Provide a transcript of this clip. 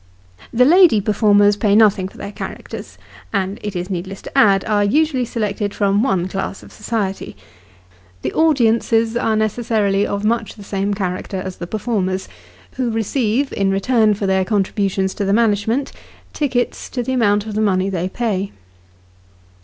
The lady performers pay nothing for their characters, and, it is needless to add, are usually selected from one class of society ; the audiences are necessarily of much the same character as the performers, who receive, in return for their contributions to the management, tickets to the amount of the money they pay.